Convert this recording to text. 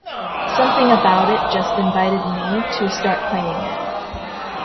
Something about it just invited me to start playing it.